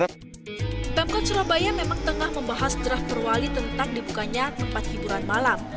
pemkot surabaya memang tengah membahas draft perwali tentang dibukanya tempat hiburan malam